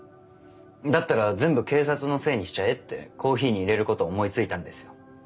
だったら全部警察のせいにしちゃえってコーヒーに入れることを思いついたんですよ。